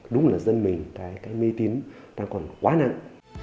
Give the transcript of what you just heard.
đúng là dân mình cái mê tín nó còn quá nặng